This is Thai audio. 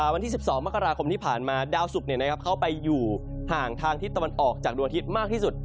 วันที่๑๒มกราคมที่ผ่านมาดาวสุกเข้าไปอยู่ห่างทางทิศตะวันออกจากดวงอาทิตย์มากที่สุด